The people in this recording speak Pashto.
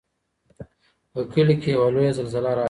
په کلي کې یوه لویه زلزله راغله.